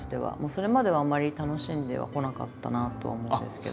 それまではあんまり楽しんではこなかったなとは思うんですけど。